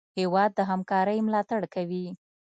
هېواد د همکارۍ ملاتړ کوي.